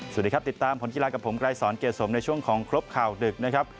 สวัสดีครับติดตามผลกีฬากับผมไกรสอนเกรดสมในช่วงของครบข่าวดึกนะครับ